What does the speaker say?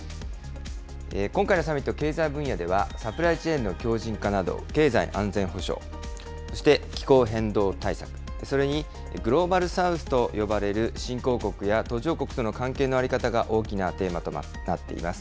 今回のサミット、経済分野では、サプライチェーンの強じん化など経済安全保障、そして気候変動対策、それにグローバル・サウスと呼ばれる新興国や途上国との関係の在り方が大きなテーマとなっています。